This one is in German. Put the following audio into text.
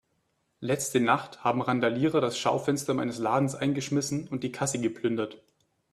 Letzte Nacht haben Randalierer das Schaufenster meines Ladens eingeschmissen und die Kasse geplündert.